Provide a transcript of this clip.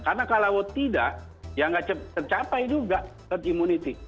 karena kalau tidak ya nggak tercapai juga herd immunity